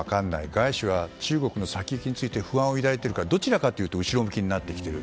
外資は、中国の先行きについて不安を抱いているかどちらかというと後ろ向きになってきている。